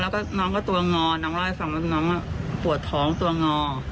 แล้วก็น้องก็ตัวงอน้องเล่าให้ฟังว่าน้องปวดท้องตัวงอ